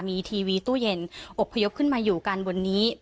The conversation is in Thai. มีทีวีตู้เย็นอบพยพขึ้นมาอยู่กันบนนี้